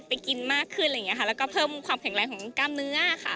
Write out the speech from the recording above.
กินมากขึ้นอะไรอย่างนี้ค่ะแล้วก็เพิ่มความแข็งแรงของกล้ามเนื้อค่ะ